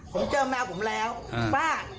ผมเจอแมวผมแล้วป้า